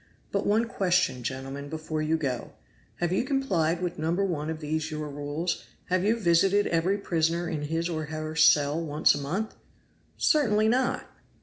But one question, gentlemen, before you go. Have you complied with No. 1 of these your rules? Have you visited every prisoner in his or her cell once a month?" "Certainly not!"